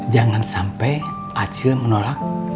jangan sampe acil menolak